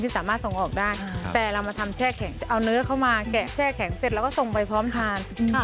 สวัสดีค่ะ